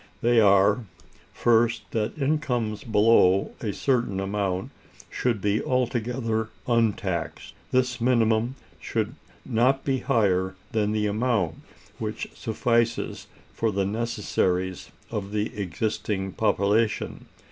They are, first, that incomes below a certain amount should be altogether untaxed. This minimum should not be higher than the amount which suffices for the necessaries of the existing population.